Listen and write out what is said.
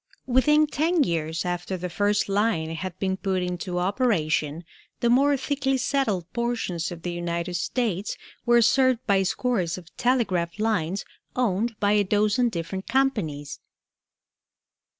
Within ten years after the first line had been put into operation the more thickly settled portions of the United States were served by scores of telegraph lines owned by a dozen different companies.